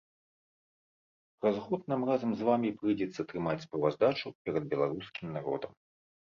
Праз год нам разам з вамі прыйдзецца трымаць справаздачу перад беларускім народам.